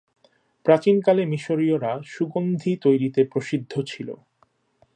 প্রাচীনকালে মিশরীয়রা সুগন্ধী তৈরীতে প্রসিদ্ধ ছিল।